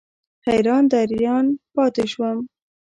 حیران دریان پاتې شوم.